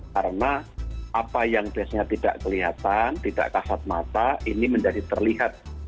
karena apa yang biasanya tidak kelihatan tidak kasat mata ini menjadi terlihat